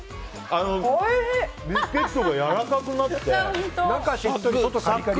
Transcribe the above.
ビスケットがやわらかくなって中しっとり、外カリカリ。